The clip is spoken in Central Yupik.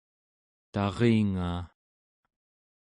taringaa